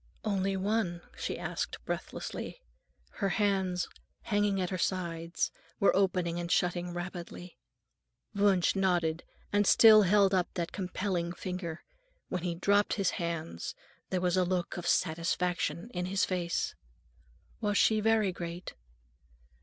"Only one?" she asked breathlessly; her hands, hanging at her sides, were opening and shutting rapidly. Wunsch nodded and still held up that compelling finger. When he dropped his hands, there was a look of satisfaction in his face. "Was she very great?"